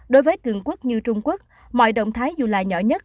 đối với cường quốc như trung quốc mọi động thái dù là nhỏ nhất